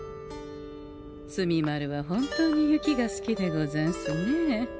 墨丸は本当に雪が好きでござんすねえ。